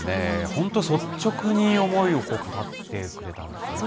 本当、率直に思いを語ってくれたんですね。